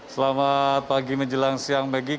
selamat pagi menjelang siang maggie